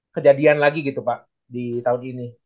kejadian lagi gitu pak di tahun ini